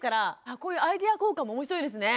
こういうアイデア交換も面白いですね。